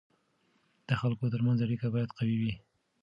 د خلکو ترمنځ اړیکه باید قوي وي.